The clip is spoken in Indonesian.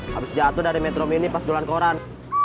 habis jatuh dari metromini pas jualan koran